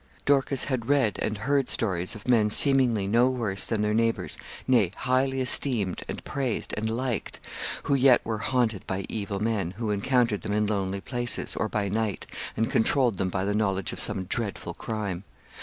Dorcas had read and heard stories of men seemingly no worse than their neighbours nay, highly esteemed, and praised, and liked who yet were haunted by evil men, who encountered them in lonely places, or by night, and controlled them by the knowledge of some dreadful crime.